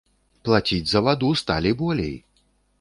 Плаціць за ваду сталі болей!